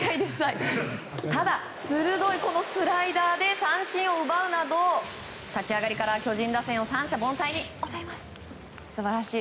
鋭いスライダーで三振を奪うなど立ち上がりから巨人打線を三者凡退に抑えます。